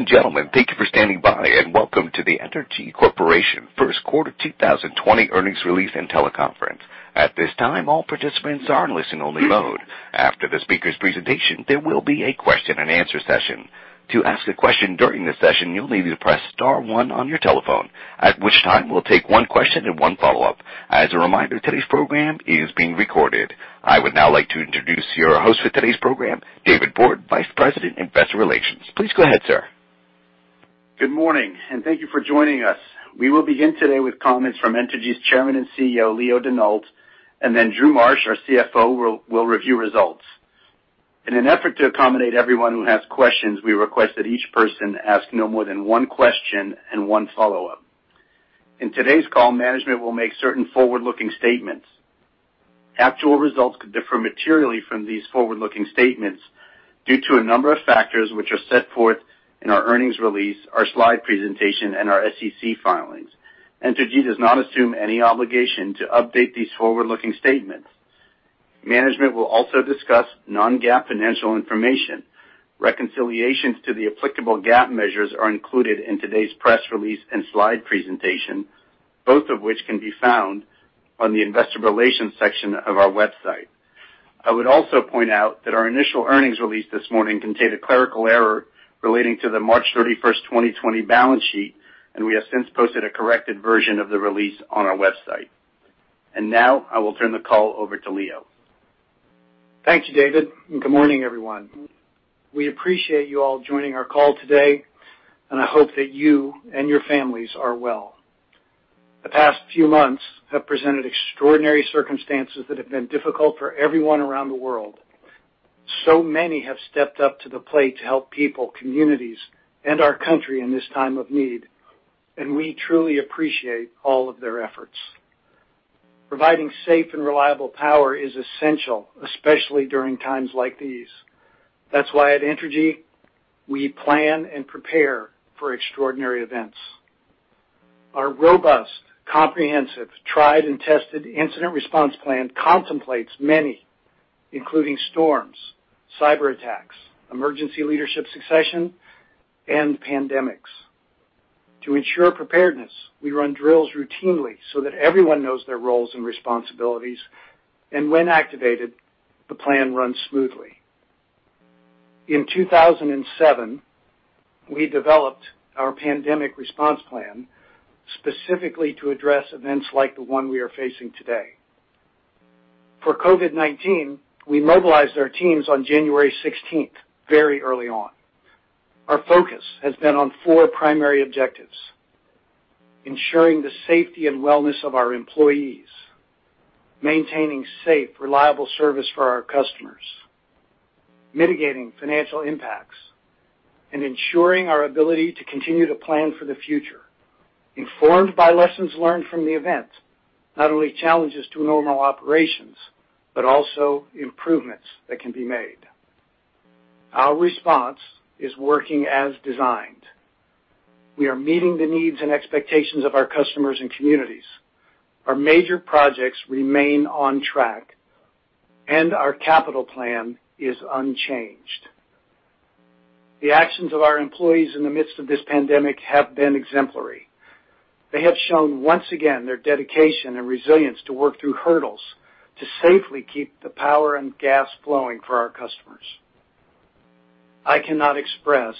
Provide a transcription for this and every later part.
Gentlemen, thank you for standing by, and welcome to the Entergy Corporation First Quarter 2020 Earnings Release and Teleconference. At this time, all participants are in listen-only mode. After the speakers' presentation, there will be a question-and-answer session. To ask a question during the session, you'll need to press star one on your telephone, at which time we'll take one question and one follow-up. As a reminder, today's program is being recorded. I would now like to introduce your host for today's program, David Borde, Vice President Investor Relations. Please go ahead, sir. Good morning, and thank you for joining us. We will begin today with comments from Entergy's Chairman and CEO, Leo Denault, and then Drew Marsh, our CFO, will review results. In an effort to accommodate everyone who has questions, we request that each person ask no more than one question and one follow-up. In today's call, management will make certain forward-looking statements. Actual results could differ materially from these forward-looking statements due to a number of factors, which are set forth in our earnings release, our slide presentation, and our SEC filings. Entergy does not assume any obligation to update these forward-looking statements. Management will also discuss non-GAAP financial information. Reconciliations to the applicable GAAP measures are included in today's press release and slide presentation, both of which can be found on the investor relations section of our website. I would also point out that our initial earnings release this morning contained a clerical error relating to the March 31st, 2020 balance sheet, and we have since posted a corrected version of the release on our website. Now I will turn the call over to Leo. Thank you, David Borde, and good morning, everyone. We appreciate you all joining our call today, and I hope that you and your families are well. The past few months have presented extraordinary circumstances that have been difficult for everyone around the world. Many have stepped up to the plate to help people, communities, and our country in this time of need, and we truly appreciate all of their efforts. Providing safe and reliable power is essential, especially during times like these. That's why at Entergy, we plan and prepare for extraordinary events. Our robust, comprehensive, tried and tested incident response plan contemplates many, including storms, cyber attacks, emergency leadership succession, and pandemics. To ensure preparedness, we run drills routinely so that everyone knows their roles and responsibilities, and when activated, the plan runs smoothly. In 2007, we developed our pandemic response plan specifically to address events like the one we are facing today. For COVID-19, we mobilized our teams on January 16th, very early on. Our focus has been on four primary objectives. Ensuring the safety and wellness of our employees, maintaining safe, reliable service for our customers, mitigating financial impacts, and ensuring our ability to continue to plan for the future, informed by lessons learned from the event, not only challenges to normal operations, but also improvements that can be made. Our response is working as designed. We are meeting the needs and expectations of our customers and communities. Our major projects remain on track, and our capital plan is unchanged. The actions of our employees in the midst of this pandemic have been exemplary. They have shown, once again, their dedication and resilience to work through hurdles to safely keep the power and gas flowing for our customers. I cannot express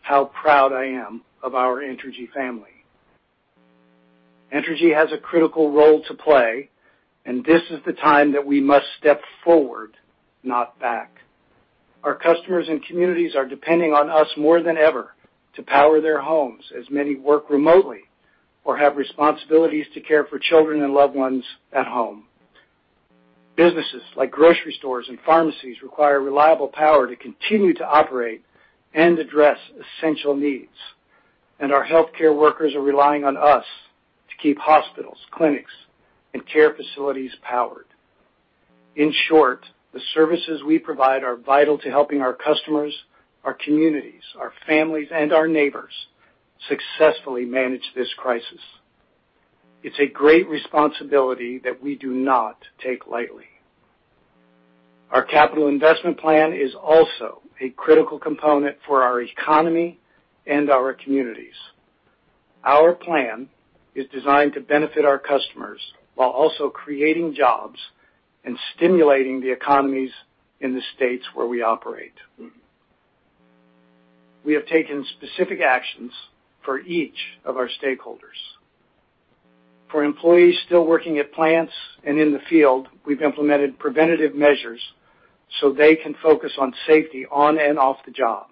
how proud I am of our Entergy family. Entergy has a critical role to play, this is the time that we must step forward, not back. Our customers and communities are depending on us more than ever to power their homes, as many work remotely or have responsibilities to care for children and loved ones at home. Businesses like grocery stores and pharmacies require reliable power to continue to operate and address essential needs. Our healthcare workers are relying on us to keep hospitals, clinics, and care facilities powered. In short, the services we provide are vital to helping our customers, our communities, our families, and our neighbors successfully manage this crisis. It's a great responsibility that we do not take lightly. Our capital investment plan is also a critical component for our economy and our communities. Our plan is designed to benefit our customers while also creating jobs and stimulating the economies in the states where we operate. We have taken specific actions for each of our stakeholders. For employees still working at plants and in the field, we've implemented preventative measures so they can focus on safety on and off the job.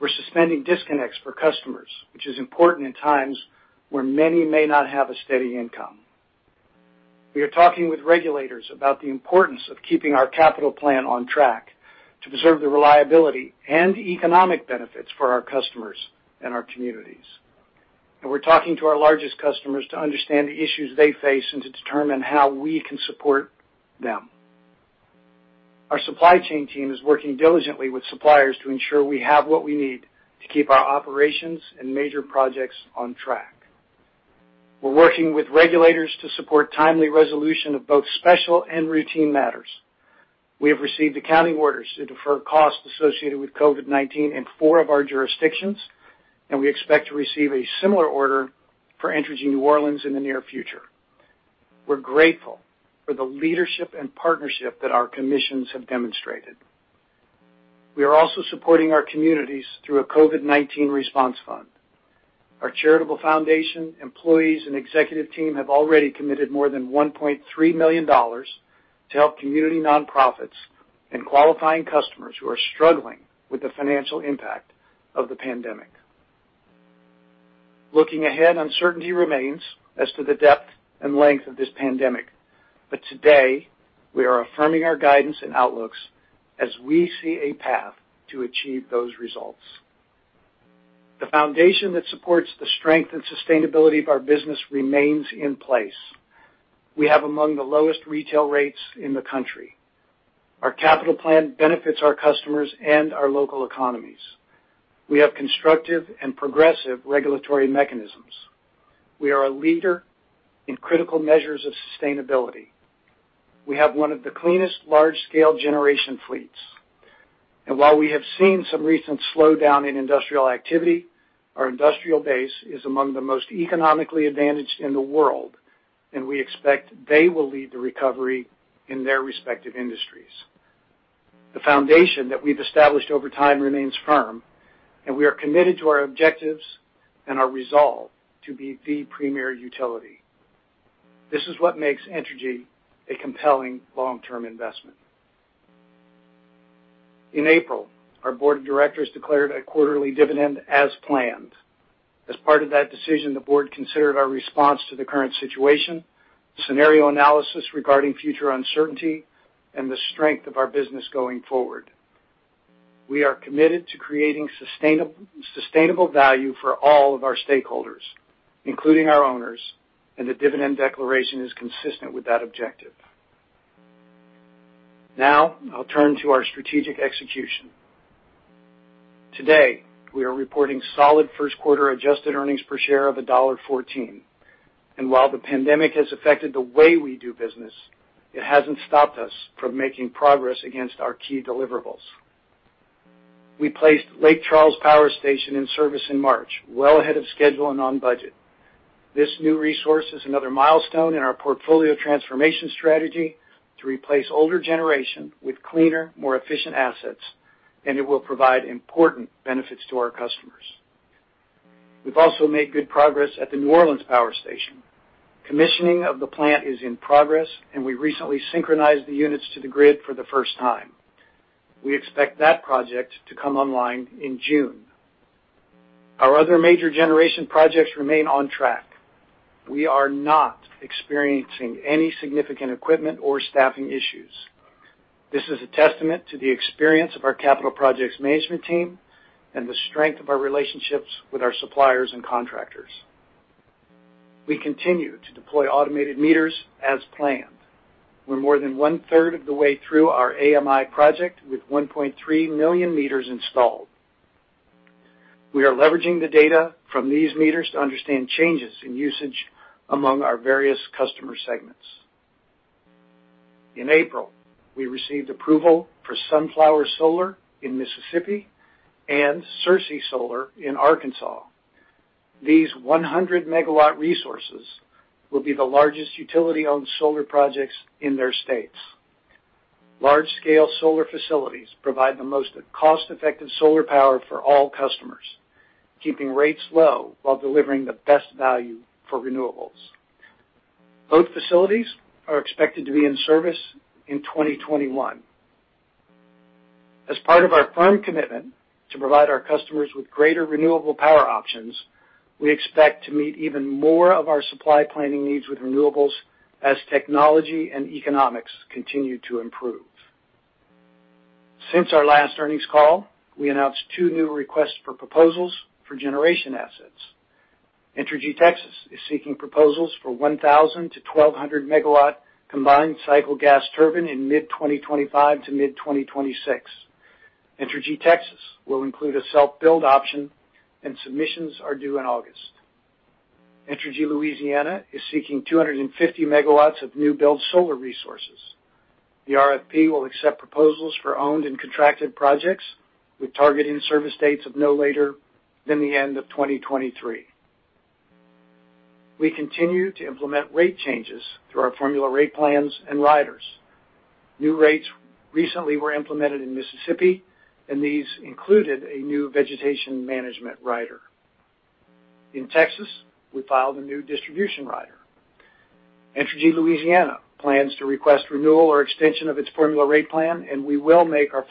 We're suspending disconnects for customers, which is important in times where many may not have a steady income. We are talking with regulators about the importance of keeping our capital plan on track to preserve the reliability and economic benefits for our customers and our communities. We're talking to our largest customers to understand the issues they face and to determine how we can support them. Our supply chain team is working diligently with suppliers to ensure we have what we need to keep our operations and major projects on track. We're working with regulators to support timely resolution of both special and routine matters. We have received accounting orders to defer costs associated with COVID-19 in four of our jurisdictions, and we expect to receive a similar order for Entergy New Orleans in the near future. We're grateful for the leadership and partnership that our commissions have demonstrated. We are also supporting our communities through a COVID-19 Response Fund. Our charitable foundation, employees, and executive team have already committed more than $1.3 million to help community nonprofits and qualifying customers who are struggling with the financial impact of the pandemic. Looking ahead, uncertainty remains as to the depth and length of this pandemic. Today, we are affirming our guidance and outlooks as we see a path to achieve those results. The foundation that supports the strength and sustainability of our business remains in place. We have among the lowest retail rates in the country. Our capital plan benefits our customers and our local economies. We have constructive and progressive regulatory mechanisms. We are a leader in critical measures of sustainability. We have one of the cleanest large-scale generation fleets. While we have seen some recent slowdown in industrial activity, our industrial base is among the most economically advantaged in the world, and we expect they will lead the recovery in their respective industries. The foundation that we've established over time remains firm, and we are committed to our objectives and our resolve to be the premier utility. This is what makes Entergy a compelling long-term investment. In April, our board of directors declared a quarterly dividend as planned. As part of that decision, the board considered our response to the current situation, scenario analysis regarding future uncertainty, and the strength of our business going forward. We are committed to creating sustainable value for all of our stakeholders, including our owners, and the dividend declaration is consistent with that objective. Now, I'll turn to our strategic execution. Today, we are reporting solid first quarter-adjusted earnings per share of $1.14. While the pandemic has affected the way we do business, it hasn't stopped us from making progress against our key deliverables. We placed Lake Charles Power Station in service in March, well ahead of schedule and on budget. This new resource is another milestone in our portfolio transformation strategy to replace older generation with cleaner, more efficient assets, and it will provide important benefits to our customers. We've also made good progress at the New Orleans Power Station. Commissioning of the plant is in progress, and we recently synchronized the units to the grid for the first time. We expect that project to come online in June. Our other major generation projects remain on track. We are not experiencing any significant equipment or staffing issues. This is a testament to the experience of our capital projects management team and the strength of our relationships with our suppliers and contractors. We continue to deploy automated meters as planned. We're more than one-third of the way through our AMI project with 1.3 million meters installed. We are leveraging the data from these meters to understand changes in usage among our various customer segments. In April, we received approval for Sunflower Solar in Mississippi and Searcy Solar in Arkansas. These 100-MW resources will be the largest utility-owned solar projects in their states. Large-scale solar facilities provide the most cost-effective solar power for all customers, keeping rates low while delivering the best value for renewables. Both facilities are expected to be in service in 2021. As part of our firm commitment to provide our customers with greater renewable power options, we expect to meet even more of our supply planning needs with renewables as technology and economics continue to improve. Since our last earnings call, we announced two new requests for proposals for generation assets. Entergy Texas is seeking proposals for 1,000 MW-1,200 MW combined cycle gas turbine in mid-2025 to mid-2026. Entergy Texas will include a self-build option, and submissions are due in August. Entergy Louisiana is seeking 250 megawatts of new build solar resources. The RFP will accept proposals for owned and contracted projects with targeting service dates of no later than the end of 2023. We continue to implement rate changes through our formula rate plans and riders. New rates recently were implemented in Mississippi, and these included a new vegetation management rider. In Texas, we filed a new distribution rider. Entergy Louisiana plans to request renewal or extension of its formula rate plan, and we will make our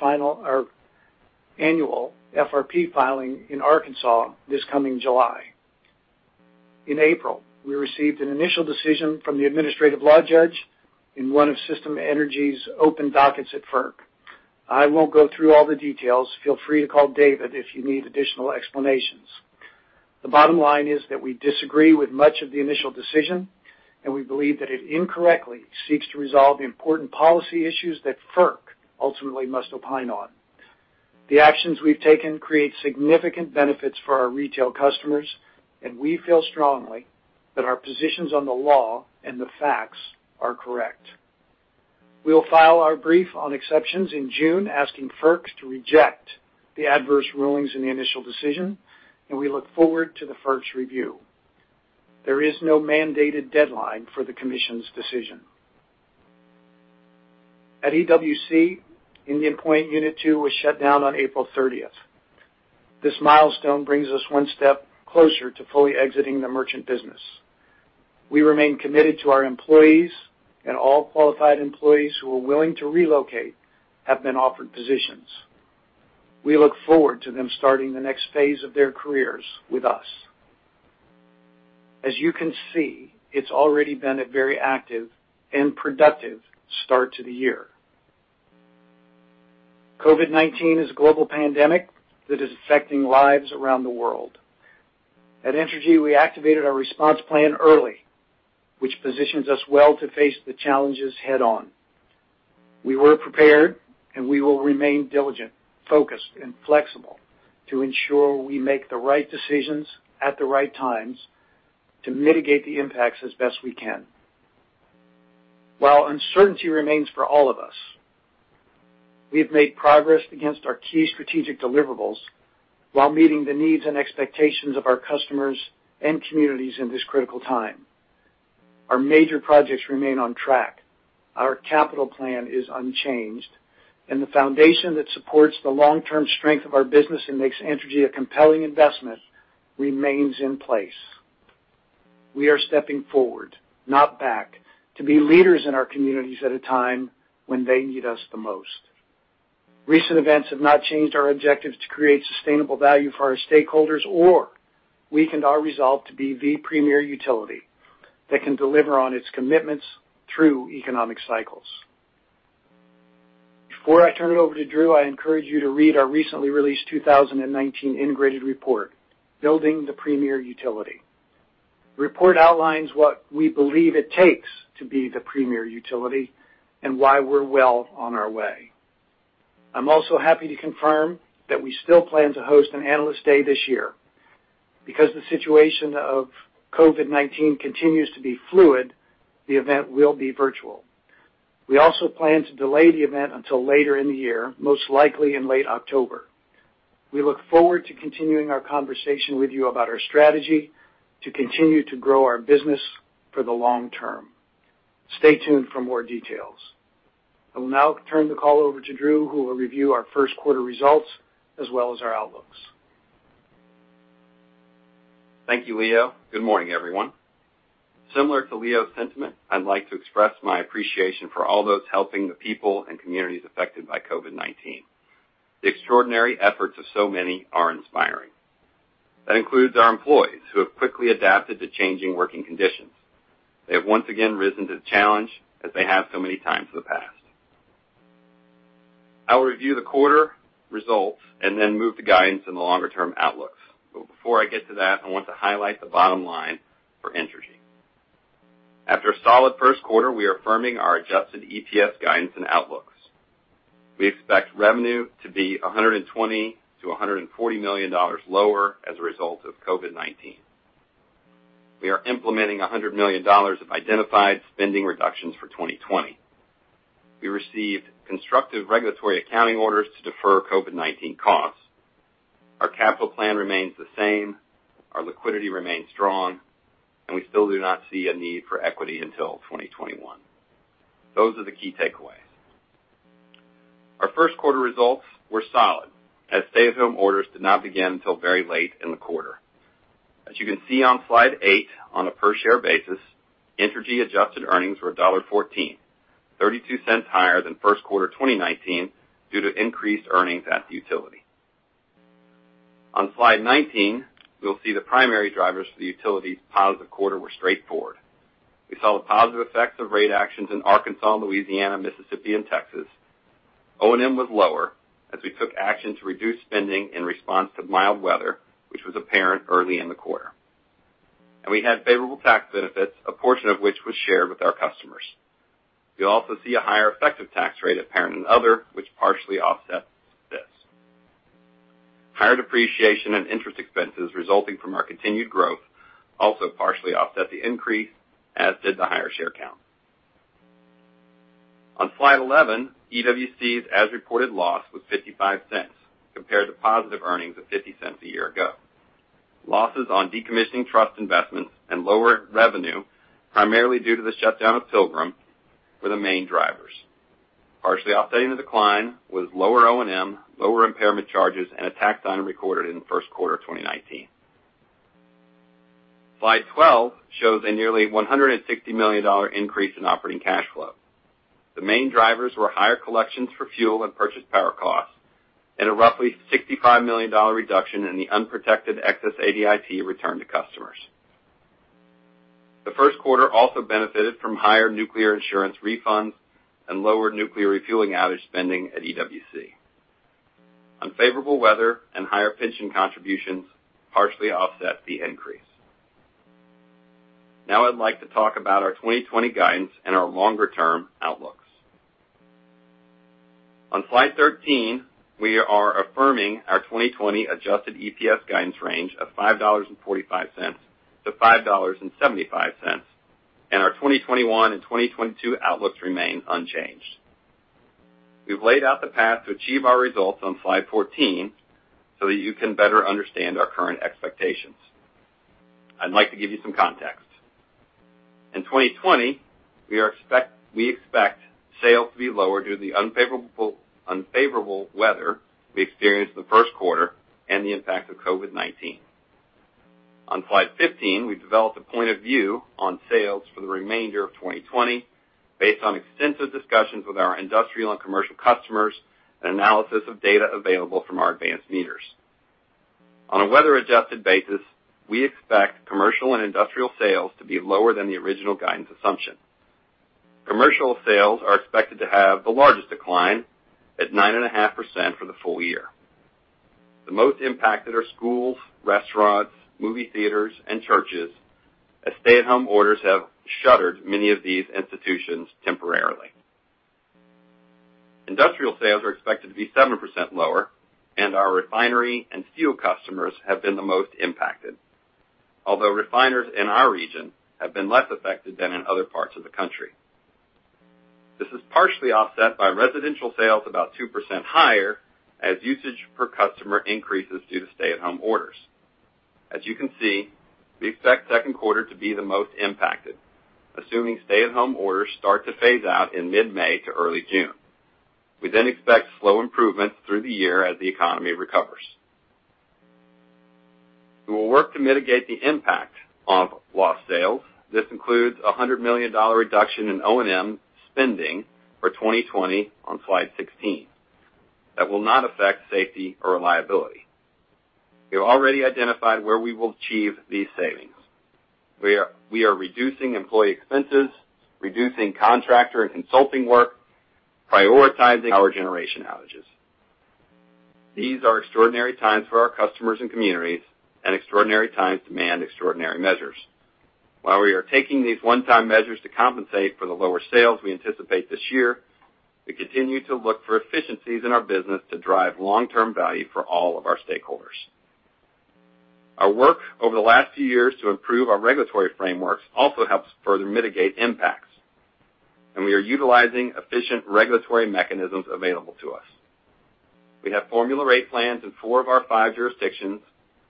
annual FRP filing in Arkansas this coming July. In April, we received an initial decision from the administrative law judge in one of System Energy's open dockets at FERC. I won't go through all the details. Feel free to call David if you need additional explanations. The bottom line is that we disagree with much of the initial decision, and we believe that it incorrectly seeks to resolve the important policy issues that FERC ultimately must opine on. The actions we've taken create significant benefits for our retail customers, and we feel strongly that our positions on the law and the facts are correct. We'll file our brief on exceptions in June, asking FERC to reject the adverse rulings in the initial decision, and we look forward to the FERC's review. There is no mandated deadline for the Commission's decision. At EWC, Indian Point Unit 2 was shut down on April 30th. This milestone brings us one step closer to fully exiting the merchant business. We remain committed to our employees, and all qualified employees who are willing to relocate have been offered positions. We look forward to them starting the next phase of their careers with us. As you can see, it's already been a very active and productive start to the year. COVID-19 is a global pandemic that is affecting lives around the world. At Entergy, we activated our response plan early, which positions us well to face the challenges head-on. We were prepared, and we will remain diligent, focused, and flexible to ensure we make the right decisions at the right times to mitigate the impacts as best we can. While uncertainty remains for all of us, we have made progress against our key strategic deliverables while meeting the needs and expectations of our customers and communities in this critical time. Our major projects remain on track. Our capital plan is unchanged, and the foundation that supports the long-term strength of our business and makes Entergy a compelling investment remains in place. We are stepping forward, not back, to be leaders in our communities at a time when they need us the most. Recent events have not changed our objectives to create sustainable value for our stakeholders, or weakened our resolve to be the premier utility that can deliver on its commitments through economic cycles. Before I turn it over to Drew, I encourage you to read our recently released 2019 integrated report, Building the Premier Utility. The report outlines what we believe it takes to be the premier utility and why we're well on our way. I'm also happy to confirm that we still plan to host an Analyst Day this year. Because the situation of COVID-19 continues to be fluid, the event will be virtual. We also plan to delay the event until later in the year, most likely in late October. We look forward to continuing our conversation with you about our strategy to continue to grow our business for the long term. Stay tuned for more details. I will now turn the call over to Drew, who will review our first quarter results as well as our outlooks. Thank you, Leo. Good morning, everyone. Similar to Leo's sentiment, I'd like to express my appreciation for all those helping the people and communities affected by COVID-19. The extraordinary efforts of so many are inspiring. That includes our employees, who have quickly adapted to changing working conditions. They have once again risen to the challenge, as they have so many times in the past. I will review the quarter results and then move to guidance and the longer-term outlooks. Before I get to that, I want to highlight the bottom line for Entergy. After a solid first quarter, we are affirming our adjusted EPS guidance and outlooks. We expect revenue to be $120 million-$140 million lower as a result of COVID-19. We are implementing $100 million of identified spending reductions for 2020. We received constructive regulatory accounting orders to defer COVID-19 costs. Our capital plan remains the same, our liquidity remains strong, and we still do not see a need for equity until 2021. Those are the key takeaways. Our first quarter results were solid, as stay-at-home orders did not begin until very late in the quarter. As you can see on Slide eight, on a per-share basis, Entergy adjusted earnings were $1.14, $0.32 higher than first quarter 2019 due to increased earnings at the utility. On Slide 19, you'll see the primary drivers for the utility's positive quarter were straightforward. We saw the positive effects of rate actions in Arkansas, Louisiana, Mississippi, and Texas. O&M was lower as we took action to reduce spending in response to mild weather, which was apparent early in the quarter. We had favorable tax benefits, a portion of which was shared with our customers. You'll also see a higher effective tax rate apparent in other, which partially offsets this. Higher depreciation and interest expenses resulting from our continued growth also partially offset the increase, as did the higher share count. On Slide 11, EWC's as-reported loss was $0.55, compared to positive earnings of $0.50 a year ago. Losses on decommissioning trust investments and lower revenue, primarily due to the shutdown of Pilgrim, were the main drivers. Partially offsetting the decline was lower O&M, lower impairment charges, and a tax item recorded in the first quarter of 2019. Slide 12 shows a nearly $160 million increase in operating cash flow. The main drivers were higher collections for fuel and purchased power costs, and a roughly $65 million reduction in the unprotected excess ADIT returned to customers. The first quarter also benefited from higher nuclear insurance refunds and lower nuclear refueling outage spending at EWC. Unfavorable weather and higher pension contributions partially offset the increase. I'd like to talk about our 2020 guidance and our longer-term outlooks. On Slide 13, we are affirming our 2020 adjusted EPS guidance range of $5.45-$5.75, and our 2021 and 2022 outlooks remain unchanged. We've laid out the path to achieve our results on Slide 14 so that you can better understand our current expectations. I'd like to give you some context. In 2020, we expect sales to be lower due to the unfavorable weather we experienced in the first quarter and the impact of COVID-19. On Slide 15, we've developed a point of view on sales for the remainder of 2020 based on extensive discussions with our industrial and commercial customers, and analysis of data available from our advanced meters. On a weather-adjusted basis, we expect commercial and industrial sales to be lower than the original guidance assumption. Commercial sales are expected to have the largest decline at 9.5% for the full year. The most impacted are schools, restaurants, movie theaters, and churches, as stay-at-home orders have shuttered many of these institutions temporarily. Industrial sales are expected to be 7% lower, and our refinery and steel customers have been the most impacted. Although refiners in our region have been less affected than in other parts of the country. This is partially offset by residential sales about 2% higher as usage per customer increases due to stay-at-home orders. As you can see, we expect the second quarter to be the most impacted, assuming stay-at-home orders start to phase out in mid-May to early June. We expect slow improvements through the year as the economy recovers. We will work to mitigate the impact of lost sales. This includes a $100 million reduction in O&M spending for 2020 on Slide 16. That will not affect safety or reliability. We've already identified where we will achieve these savings. We are reducing employee expenses, reducing contractor and consulting work, prioritizing power generation outages. These are extraordinary times for our customers and communities, and extraordinary times demand extraordinary measures. While we are taking these one-time measures to compensate for the lower sales we anticipate this year, we continue to look for efficiencies in our business to drive long-term value for all of our stakeholders. Our work over the last few years to improve our regulatory frameworks also helps further mitigate impacts, and we are utilizing efficient regulatory mechanisms available to us. We have formula rate plans in four of our five jurisdictions,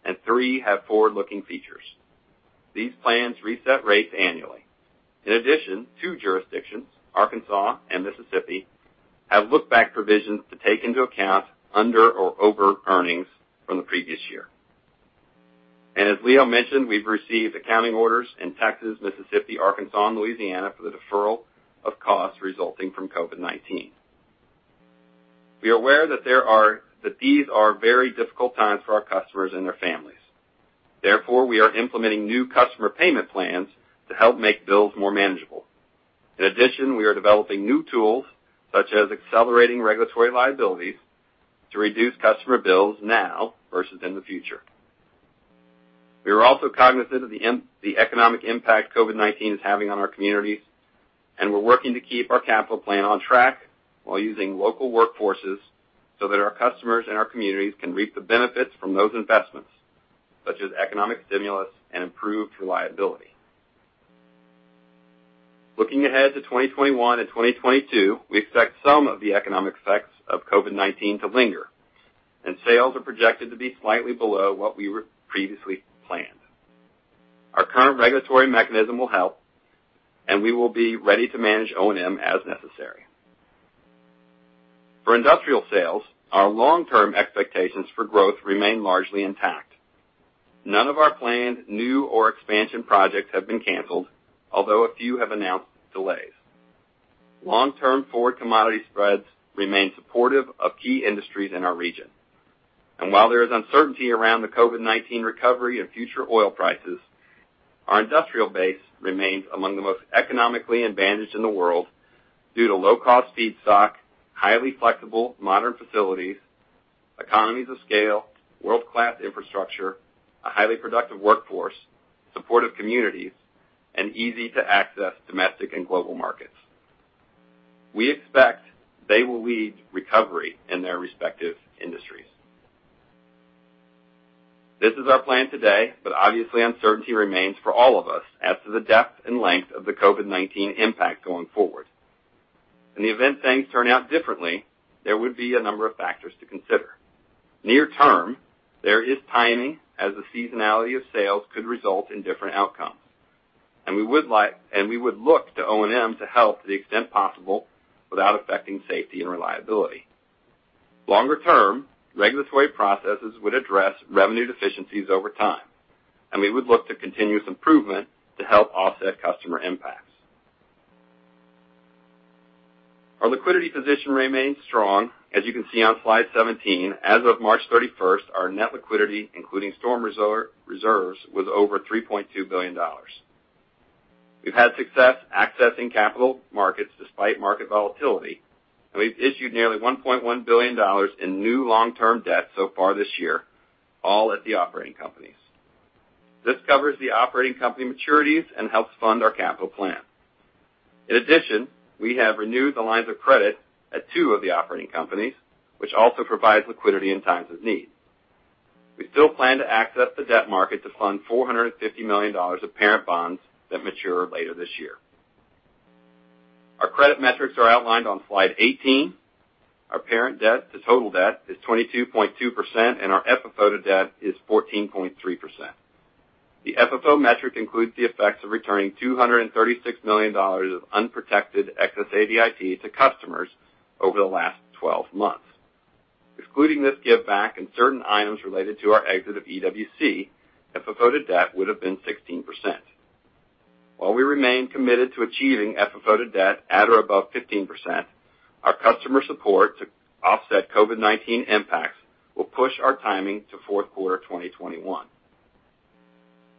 and three have forward-looking features. These plans reset rates annually. Two jurisdictions, Arkansas and Mississippi, have look-back provisions to take into account under or over earnings from the previous year. As Leo mentioned, we've received accounting orders in Texas, Mississippi, Arkansas, and Louisiana for the deferral of costs resulting from COVID-19. We are aware that these are very difficult times for our customers and their families. Therefore, we are implementing new customer payment plans to help make bills more manageable. We are developing new tools such as accelerating regulatory liabilities to reduce customer bills now versus in the future. We are also cognizant of the economic impact COVID-19 is having on our communities, and we're working to keep our capital plan on track while using local workforces so that our customers and our communities can reap the benefits from those investments, such as economic stimulus and improved reliability. Looking ahead to 2021 and 2022, we expect some of the economic effects of COVID-19 to linger, and sales are projected to be slightly below what we previously planned. Our current regulatory mechanism will help, and we will be ready to manage O&M as necessary. For industrial sales, our long-term expectations for growth remain largely intact. None of our planned new or expansion projects have been canceled, although a few have announced delays. Long-term forward commodity spreads remain supportive of key industries in our region. While there is uncertainty around the COVID-19 recovery and future oil prices, our industrial base remains among the most economically advantaged in the world due to low-cost feedstock, highly flexible modern facilities, economies of scale, world-class infrastructure, a highly productive workforce, supportive communities, and easy-to-access domestic and global markets. We expect they will lead recovery in their respective industries. This is our plan today, but obviously uncertainty remains for all of us as to the depth and length of the COVID-19 impact going forward. In the event things turn out differently, there would be a number of factors to consider. Near term, there is timing as the seasonality of sales could result in different outcomes, and we would look to O&M to help to the extent possible without affecting safety and reliability. Longer term, regulatory processes would address revenue deficiencies over time, and we would look to continuous improvement to help offset customer impacts. Our liquidity position remains strong. As you can see on Slide 17, as of March 31st, our net liquidity, including storm reserves, was over $3.2 billion. We've had success accessing capital markets despite market volatility, and we've issued nearly $1.1 billion in new long-term debt so far this year. All at the operating companies. This covers the operating company maturities and helps fund our capital plan. In addition, we have renewed the lines of credit at two of the operating companies, which also provides liquidity in times of need. We still plan to access the debt market to fund $450 million of parent bonds that mature later this year. Our credit metrics are outlined on Slide 18. Our parent debt to total debt is 22.2%, and our FFO to debt is 14.3%. The FFO metric includes the effects of returning $236 million of unprotected excess ADIT to customers over the last 12 months. Excluding this giveback and certain items related to our exit of EWC, FFO to debt would have been 16%. While we remain committed to achieving FFO to debt at or above 15%, our customer support to offset COVID-19 impacts will push our timing to fourth quarter 2021.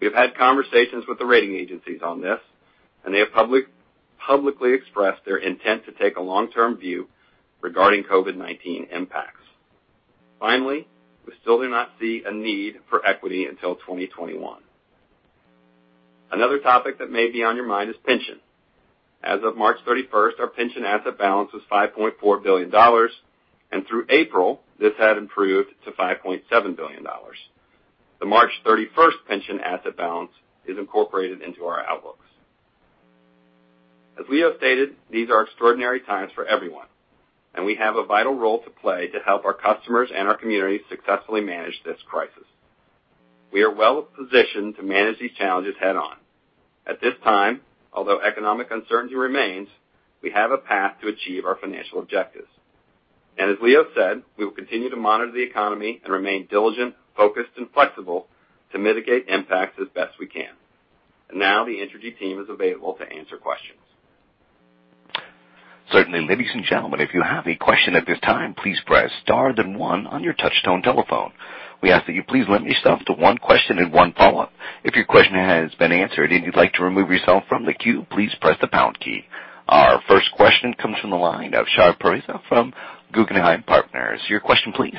We have had conversations with the rating agencies on this, and they have publicly expressed their intent to take a long-term view regarding COVID-19 impacts. Finally, we still do not see a need for equity until 2021. Another topic that may be on your mind is pension. As of March 31st, our pension asset balance was $5.4 billion, and through April, this had improved to $5.7 billion. The March 31st pension asset balance is incorporated into our outlooks. As Leo stated, these are extraordinary times for everyone, and we have a vital role to play to help our customers and our communities successfully manage this crisis. We are well-positioned to manage these challenges head-on. At this time, although economic uncertainty remains, we have a path to achieve our financial objectives. As Leo said, we will continue to monitor the economy and remain diligent, focused, and flexible to mitigate impacts as best we can. Now, the Entergy team is available to answer questions. Certainly. Ladies and gentlemen, if you have a question at this time, please press star then one on your touch-tone telephone. We ask that you please limit yourself to one question and one follow-up. If your question has been answered and you'd like to remove yourself from the queue, please press the pound key. Our first question comes from the line of Shahriar Pourreza from Guggenheim Partners. Your question please.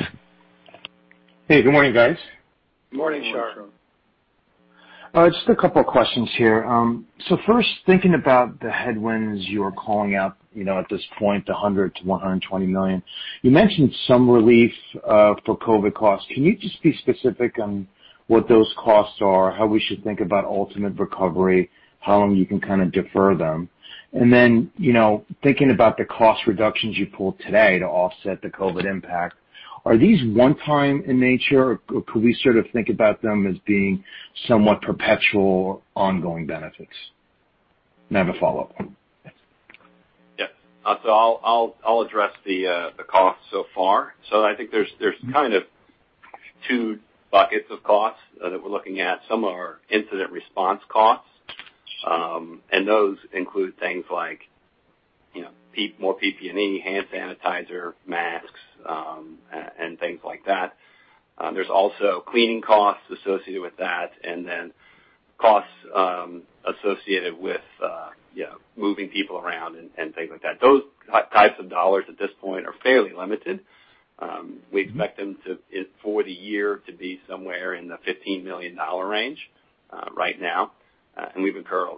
Hey, good morning, guys. Good morning, Shar. Just a couple of questions here. First, thinking about the headwinds you're calling out at this point, the $100 million-$120 million. You mentioned some relief for COVID costs. Can you just be specific on what those costs are, how we should think about ultimate recovery, how long you can kind of defer them? Then, thinking about the cost reductions you pulled today to offset the COVID impact, are these one-time in nature, or could we sort of think about them as being somewhat perpetual ongoing benefits? I have a follow-up. I'll address the costs so far. I think there's kind of two buckets of costs that we're looking at. Some are incident response costs, and those include things like more PPE, hand sanitizer, masks, and things like that. There's also cleaning costs associated with that, and then costs associated with moving people around and things like that. Those types of dollars at this point are fairly limited. We expect them for the year to be somewhere in the $15 million range right now. We've incurred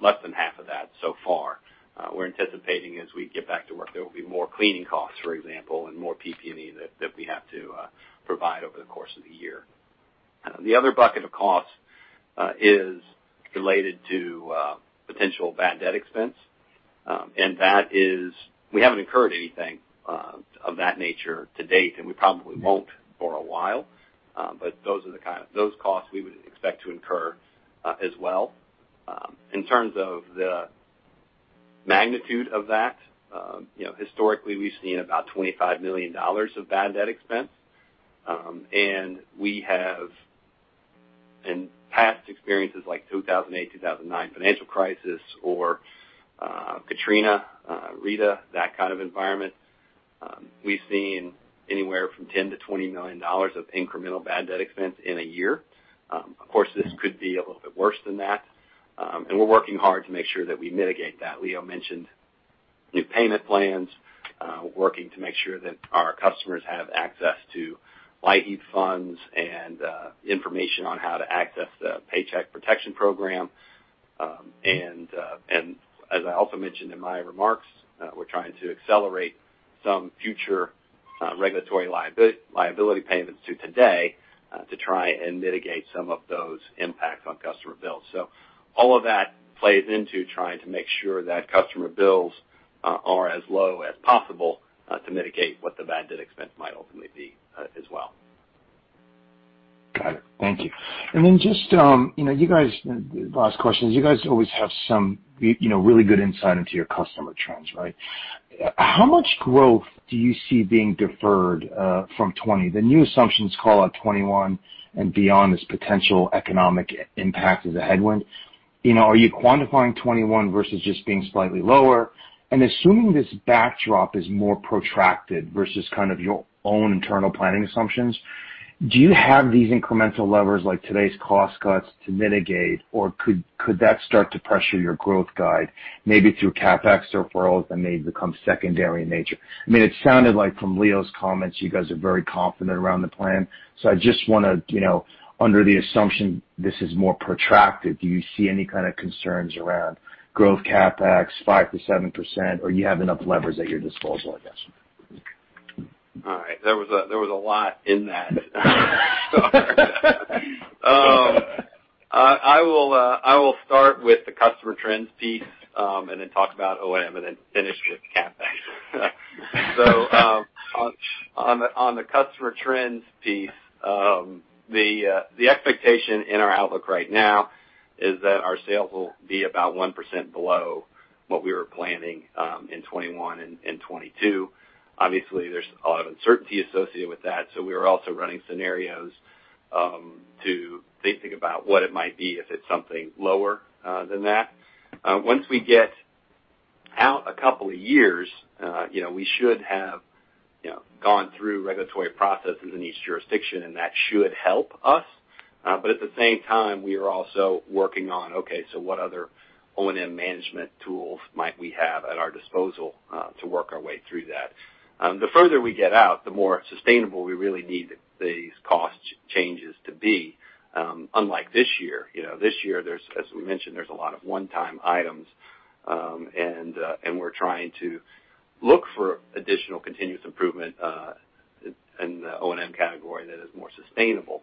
less than half of that so far. We're anticipating as we get back to work, there will be more cleaning costs, for example, and more PPE that we have to provide over the course of the year. The other bucket of costs is related to potential bad debt expense. We haven't incurred anything of that nature to date, and we probably won't for a while. Those costs we would expect to incur as well. In terms of the magnitude of that, historically we've seen about $25 million of bad debt expense. We have in past experiences like 2008, 2009 financial crisis or Katrina, Rita, that kind of environment, we've seen anywhere from $10 million-$20 million of incremental bad debt expense in a year. Of course, this could be a little bit worse than that. We're working hard to make sure that we mitigate that. Leo mentioned new payment plans, working to make sure that our customers have access to LIHEAP funds and information on how to access the Paycheck Protection Program. As I also mentioned in my remarks, we're trying to accelerate some future regulatory liability payments to today to try and mitigate some of those impacts on customer bills. All of that plays into trying to make sure that customer bills are as low as possible to mitigate what the bad debt expense might ultimately be as well. Got it. Thank you. Last question is, you guys always have some really good insight into your customer trends, right? How much growth do you see being deferred from 2020? The new assumptions call out 2021 and beyond as potential economic impact as a headwind. Are you quantifying 2021 versus just being slightly lower? Assuming this backdrop is more protracted versus kind of your own internal planning assumptions? Do you have these incremental levers, like today's cost cuts, to mitigate? Could that start to pressure your growth guide maybe through CapEx referrals that may become secondary in nature? It sounded like from Leo's comments, you guys are very confident around the plan. I just want to, under the assumption this is more protracted, do you see any kind of concerns around growth CapEx 5%-7%, or you have enough levers at your disposal, I guess? All right. There was a lot in that. I will start with the customer trends piece, then talk about O&M, then finish with CapEx. On the customer trends piece, the expectation in our outlook right now is that our sales will be about 1% below what we were planning in 2021 and 2022. Obviously, there's a lot of uncertainty associated with that. We are also running scenarios to think about what it might be if it's something lower than that. Once we get out a couple of years, we should have gone through regulatory processes in each jurisdiction, and that should help us. At the same time, we are also working on, okay, what other O&M management tools might we have at our disposal to work our way through that? The further we get out, the more sustainable we really need these cost changes to be. Unlike this year. This year, as we mentioned, there's a lot of one-time items. We're trying to look for additional continuous improvement in the O&M category that is more sustainable.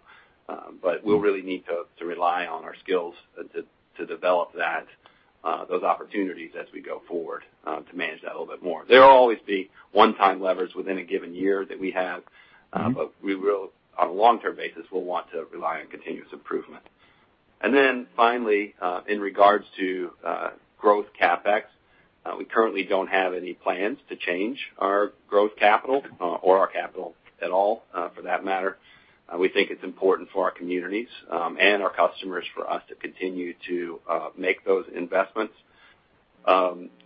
We'll really need to rely on our skills to develop those opportunities as we go forward to manage that a little bit more. There'll always be one-time levers within a given year that we have. We will, on a long-term basis, want to rely on continuous improvement. Finally, in regards to growth CapEx, we currently don't have any plans to change our growth capital or our capital at all for that matter. We think it's important for our communities and our customers for us to continue to make those investments.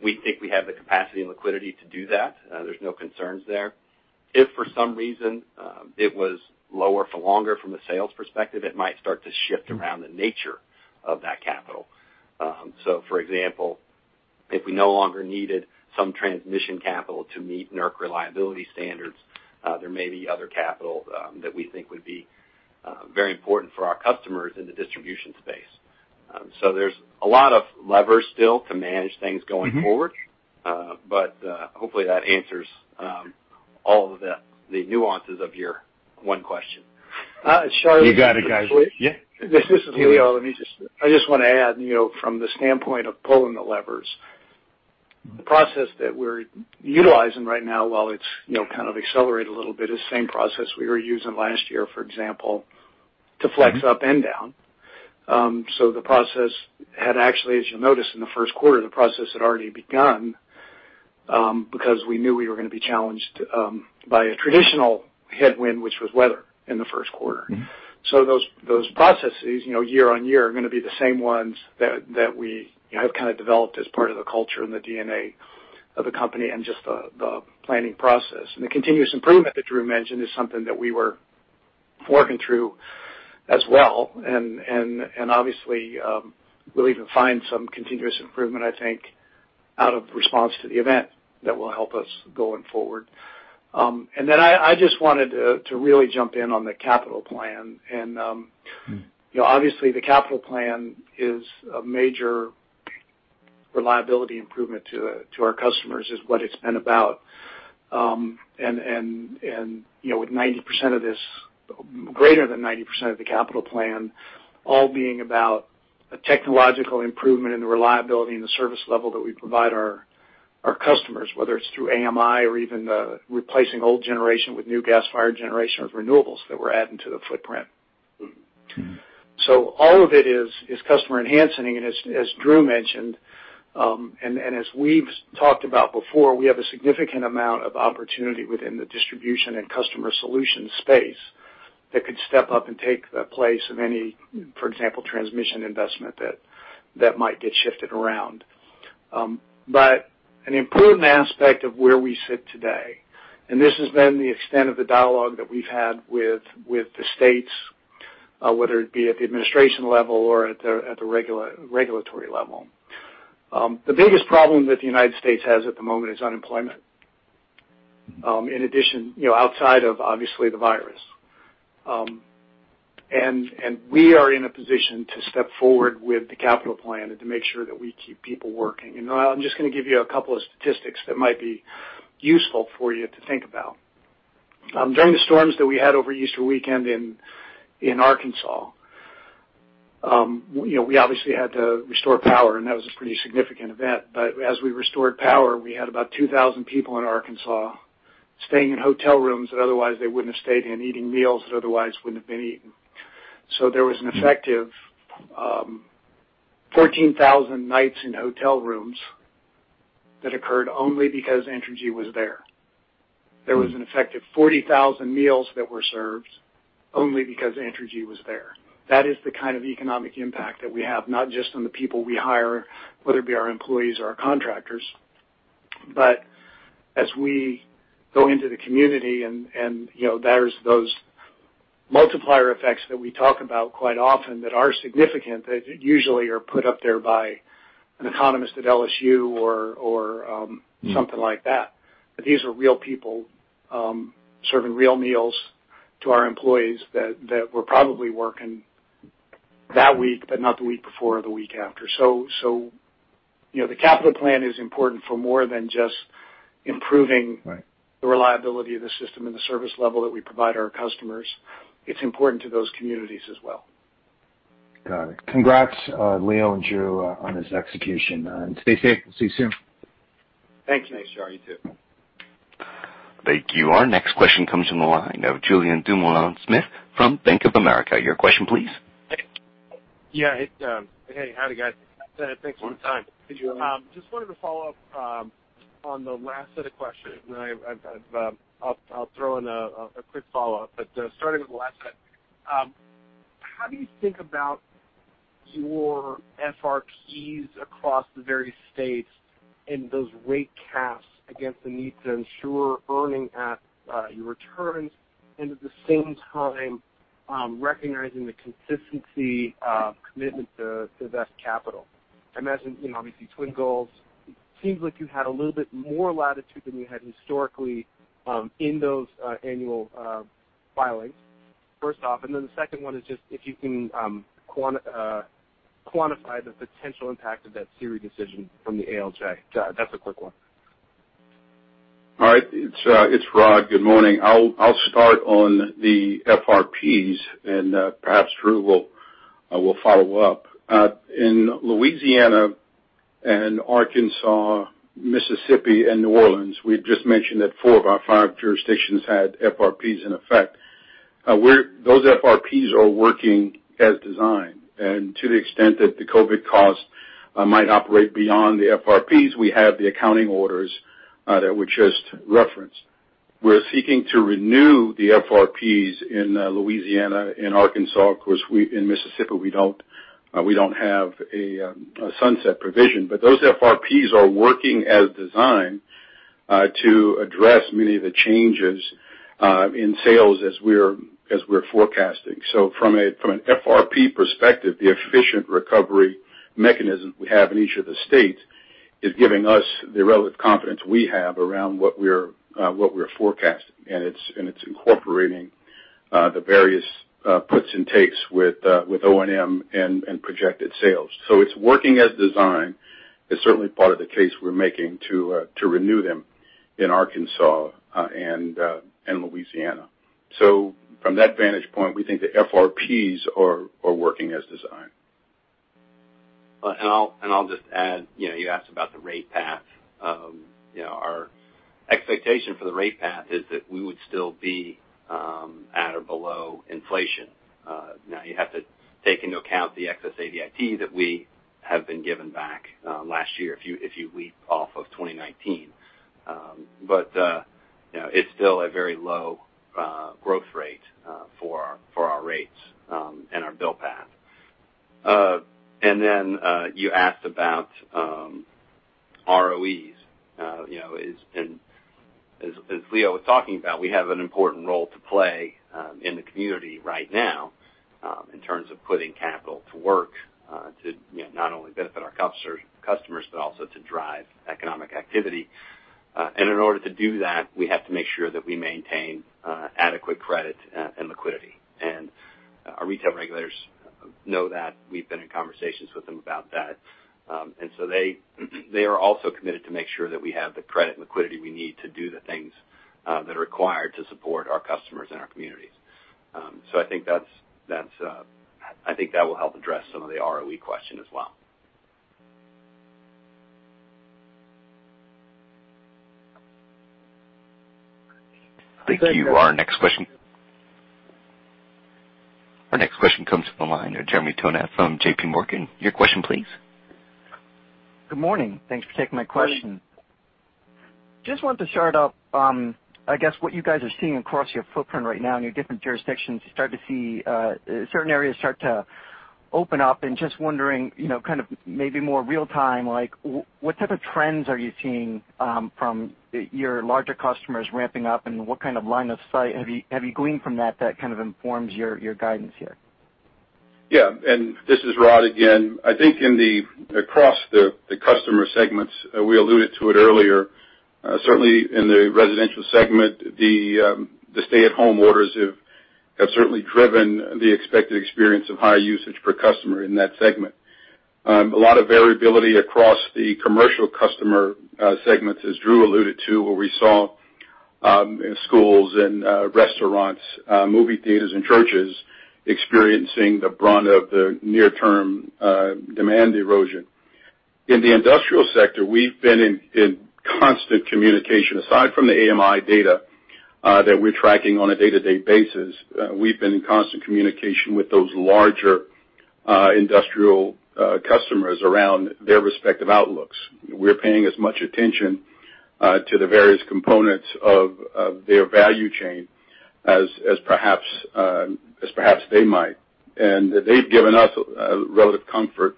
We think we have the capacity and liquidity to do that. There's no concerns there. If for some reason it was lower for longer from a sales perspective, it might start to shift around the nature of that capital. For example, if we no longer needed some transmission capital to meet NERC reliability standards, there may be other capital that we think would be very important for our customers in the distribution space. There's a lot of levers still to manage things going forward. Hopefully that answers all of the nuances of your one question. You got it, guys. Yeah. This is Leo. I just want to add, from the standpoint of pulling the levers, the process that we're utilizing right now, while it's kind of accelerated a little bit, is the same process we were using last year, for example, to flex up and down. The process had actually, as you'll notice in the first quarter, the process had already begun because we knew we were going to be challenged by a traditional headwind, which was weather in the first quarter. Those processes, year-over-year, are going to be the same ones that we have kind of developed as part of the culture and the DNA of the company and just the planning process. The continuous improvement that Drew mentioned is something that we were working through as well, and obviously we'll even find some continuous improvement, I think, out of response to the event that will help us going forward. Then I just wanted to really jump in on the capital plan. Obviously the capital plan is a major reliability improvement to our customers, is what it's been about. Greater than 90% of the capital plan all being about a technological improvement in the reliability and the service level that we provide our customers, whether it's through AMI or even the replacing old generation with new gas-fired generation of renewables that we're adding to the footprint. All of it is customer-enhancing, and as Drew mentioned, and as we've talked about before, we have a significant amount of opportunity within the distribution and customer solution space that could step up and take the place of any, for example, transmission investment that might get shifted around. An important aspect of where we sit today, and this has been the extent of the dialogue that we've had with the states, whether it be at the administration level or at the regulatory level. The biggest problem that the United States has at the moment is unemployment. In addition, outside of obviously the virus. We are in a position to step forward with the capital plan and to make sure that we keep people working. I'm just going to give you a couple of statistics that might be useful for you to think about. During the storms that we had over Easter weekend in Arkansas, we obviously had to restore power, that was a pretty significant event. As we restored power, we had about 2,000 people in Arkansas staying in hotel rooms that otherwise they wouldn't have stayed in, eating meals that otherwise wouldn't have been eaten. There was an effective 14,000 nights in hotel rooms that occurred only because Entergy was there. There was an effective 40,000 meals that were served only because Entergy was there. That is the kind of economic impact that we have, not just on the people we hire, whether it be our employees or our contractors. As we go into the community and there's those multiplier effects that we talk about quite often that are significant, that usually are put up there by an economist at LSU or something like that. These are real people, serving real meals to our employees that were probably working that week, but not the week before or the week after. The capital plan is important for more than just. Right the reliability of the system and the service level that we provide our customers. It's important to those communities as well. Got it. Congrats, Leo and Drew, on this execution, and stay safe. We'll see you soon. Thank you. Thanks, John. You, too. Thank you. Our next question comes from the line of Julien Dumoulin-Smith from Bank of America. Your question, please? Yeah. Hey, howdy, guys. Thanks for the time. Hey, Julien. Just wanted to follow up on the last set of questions, and I'll throw in a quick follow-up. Starting with the last set. How do you think about your FRPs across the various states and those rate caps against the need to ensure earning at your returns, and at the same time, recognizing the consistency of commitment to invest capital? I imagine, obviously twin goals. Seems like you had a little bit more latitude than you had historically, in those annual filings, first off. The second one is just if you can quantify the potential impact of that SERI decision from the ALJ. That's a quick one. All right. It's Rod. Good morning. I'll start on the FRPs and perhaps Drew will follow up. In Louisiana and Arkansas, Mississippi and New Orleans, we just mentioned that four of our five jurisdictions had FRPs in effect. Those FRPs are working as designed, and to the extent that the COVID cost might operate beyond the FRPs, we have the accounting orders that we just referenced. We're seeking to renew the FRPs in Louisiana and Arkansas. Of course, in Mississippi, we don't have a sunset provision. Those FRPs are working as designed, to address many of the changes in sales as we're forecasting. From an FRP perspective, the efficient recovery mechanism we have in each of the states is giving us the relative confidence we have around what we're forecasting. It's incorporating the various puts and takes with O&M and projected sales. It's working as designed. It's certainly part of the case we're making to renew them in Arkansas, and Louisiana. From that vantage point, we think the FRPs are working as designed. I'll just add, you asked about the rate path. Our expectation for the rate path is that we would still be at or below inflation. You have to take into account the excess ADIT that we have been given back last year if you work off of 2019. It's still a very low growth rate for our rates and our bill path. Then, you asked about ROEs. As Leo was talking about, we have an important role to play in the community right now in terms of putting capital to work to not only benefit our customers but also to drive economic activity. In order to do that, we have to make sure that we maintain adequate credit and liquidity. Our retail regulators know that. We've been in conversations with them about that. They are also committed to make sure that we have the credit and liquidity we need to do the things that are required to support our customers and our communities. I think that will help address some of the ROE question as well. Thank you. Our next question comes from the line of Jeremy Tonet from JPMorgan. Your question, please. Good morning. Thanks for taking my question. Wanted to start off, I guess what you guys are seeing across your footprint right now in your different jurisdictions. You start to see certain areas start to open up and just wondering, kind of maybe more real time, what type of trends are you seeing from your larger customers ramping up, and what kind of line of sight have you gleaned from that kind of informs your guidance here? Yeah. This is Rod again. I think across the customer segments, we alluded to it earlier. Certainly in the residential segment, the stay-at-home orders have certainly driven the expected experience of higher usage per customer in that segment. A lot of variability across the commercial customer segments, as Drew alluded to, where we saw schools and restaurants, movie theaters and churches experiencing the brunt of the near-term demand erosion. In the industrial sector, we've been in constant communication. Aside from the AMI data that we're tracking on a day-to-day basis, we've been in constant communication with those larger industrial customers around their respective outlooks. We're paying as much attention to the various components of their value chain as perhaps they might. They've given us relative comfort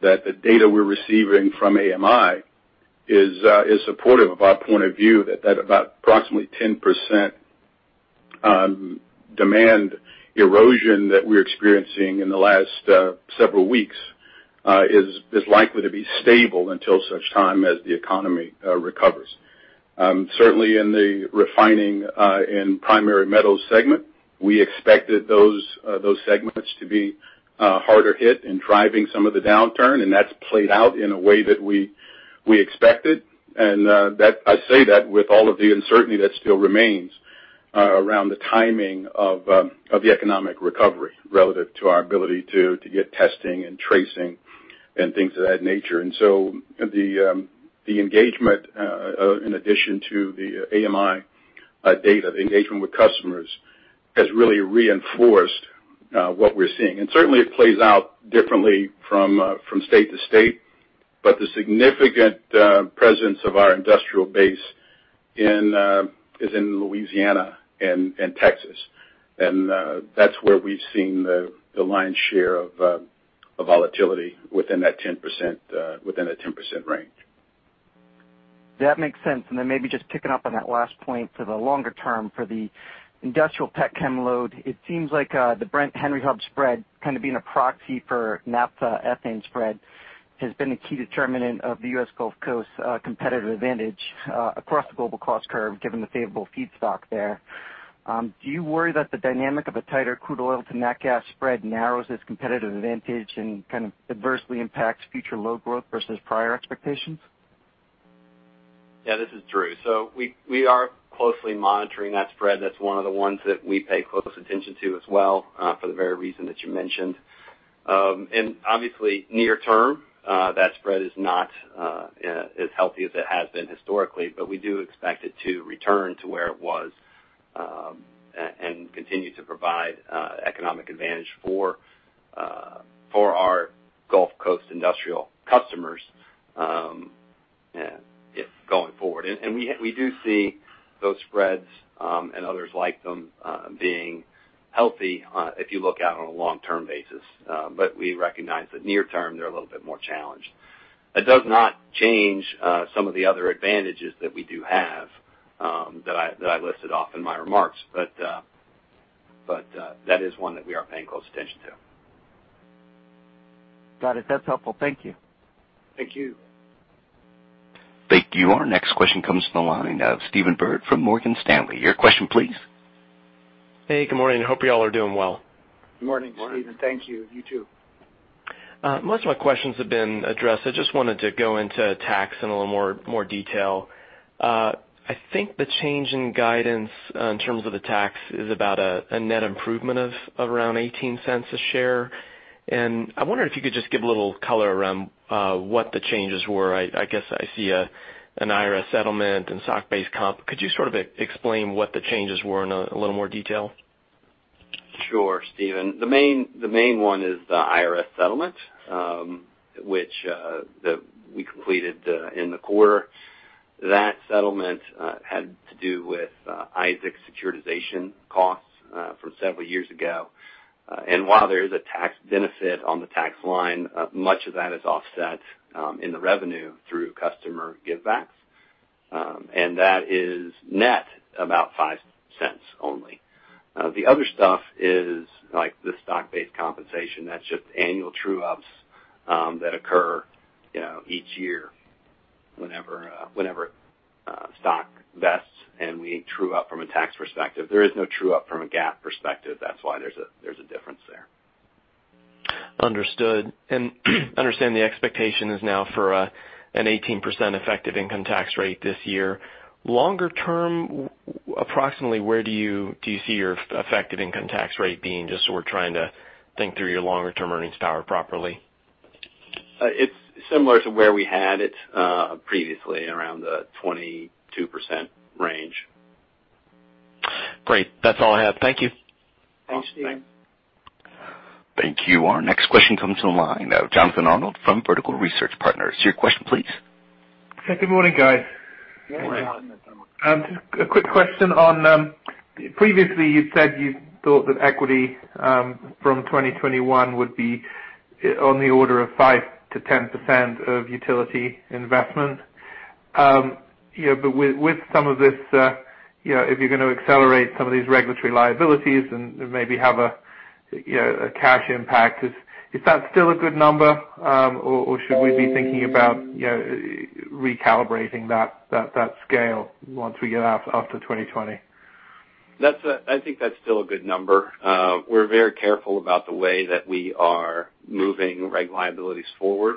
that the data we're receiving from AMI is supportive of our point of view that about approximately 10% demand erosion that we're experiencing in the last several weeks, is likely to be stable until such time as the economy recovers. Certainly in the refining and primary metals segment, we expected those segments to be harder hit in driving some of the downturn, and that's played out in a way that we expected. I say that with all of the uncertainty that still remains around the timing of the economic recovery relative to our ability to get testing and tracing and things of that nature. The engagement, in addition to the AMI data, the engagement with customers, has really reinforced what we're seeing. Certainly it plays out differently from state to state. The significant presence of our industrial base is in Louisiana and Texas. That's where we've seen the lion's share of volatility within that 10% range. That makes sense. Maybe just picking up on that last point for the longer term for the industrial petchem load, it seems like the Brent-Henry Hub spread kind of being a proxy for naphtha ethane spread has been a key determinant of the U.S. Gulf Coast competitive advantage across the global cost curve, given the favorable feedstock there. Do you worry that the dynamic of a tighter crude oil to nat gas spread narrows this competitive advantage and kind of adversely impacts future load growth versus prior expectations? Yeah, this is Drew. We are closely monitoring that spread. That's one of the ones that we pay close attention to as well, for the very reason that you mentioned. Obviously near term, that spread is not as healthy as it has been historically, but we do expect it to return to where it was, and continue to provide economic advantage for our Gulf Coast industrial customers going forward. We do see those spreads, and others like them, being healthy if you look out on a long-term basis. We recognize that near term, they're a little bit more challenged. That does not change some of the other advantages that we do have that I listed off in my remarks. That is one that we are paying close attention to. Got it. That's helpful. Thank you. Thank you. Thank you. Our next question comes from the line of Stephen Byrd from Morgan Stanley. Your question, please. Hey, good morning. Hope you all are doing well. Good morning, Stephen. Thank you. You too. Most of my questions have been addressed. I just wanted to go into tax in a little more detail. I think the change in guidance in terms of the tax is about a net improvement of around $0.18 a share. I wonder if you could just give a little color around what the changes were. I guess I see an IRS settlement and stock-based comp. Could you sort of explain what the changes were in a little more detail? Sure, Stephen. The main one is the IRS settlement, which we completed in the quarter. That settlement had to do with Isaac securitization costs from several years ago. While there is a tax benefit on the tax line, much of that is offset in the revenue through customer givebacks. That is net about $0.05 only. The other stuff is like the stock-based compensation. That's just annual true-ups that occur each year whenever stock vests and we true up from a tax perspective. There is no true up from a GAAP perspective. That's why there's a difference there. Understood. Understand the expectation is now for an 18% effective income tax rate this year. Longer term, approximately where do you see your effective income tax rate being? Just so we're trying to think through your longer-term earnings power properly. It's similar to where we had it previously, around the 22% range. Great. That's all I have. Thank you. Thanks, Stephen. Thank you. Our next question comes from the line of Jonathan Arnold from Vertical Research Partners. Your question please. Hey, good morning, guys. Morning. Just a quick question on previously you said you thought that equity from 2021 would be on the order of 5%-10% of utility investment. With some of this, if you're going to accelerate some of these regulatory liabilities and maybe have a cash impact, is that still a good number? Should we be thinking about recalibrating that scale once we get out after 2020? I think that's still a good number. We're very careful about the way that we are moving reg liabilities forward.